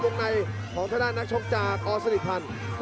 กลงในนักชกจากออสนิทพันธ์